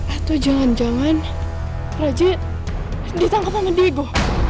atau jangan jangan raja ditangkap sama dego